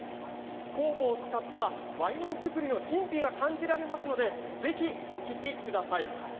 酵母を使ったワイン造りの神秘が感じられますので、ぜひお聴きください。